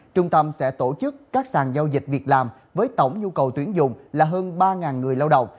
trung tâm sẽ tổ chức các sàn giao dịch việc làm với tổng nhu cầu tuyển dụng là hơn ba người lao động